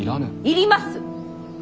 要ります！